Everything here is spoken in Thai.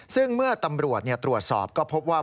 ซึ่งเมื่อตำรวจตรวจสอบก็พบว่า